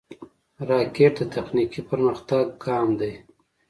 راکټ د تخنیکي پرمختګ ګام دی